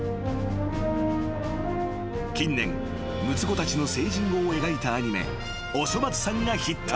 ［近年六つ子たちの成人後を描いたアニメ『おそ松さん』がヒット］